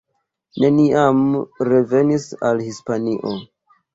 Neniam revenis al Hispanio.